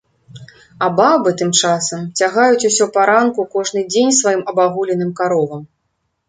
А бабы, тым часам, цягаюць усё паранку кожны дзень сваім абагуленым каровам.